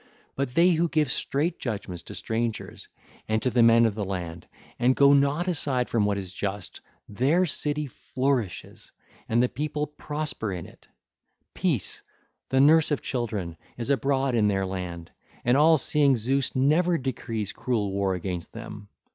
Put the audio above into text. (ll. 225 237) But they who give straight judgements to strangers and to the men of the land, and go not aside from what is just, their city flourishes, and the people prosper in it: Peace, the nurse of children, is abroad in their land, and all seeing Zeus never decrees cruel war against them.